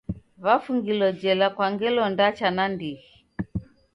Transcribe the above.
Wafungilo jela kwa ngelo ndacha nandighi.